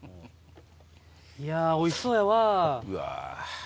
いやおいしそうやわ。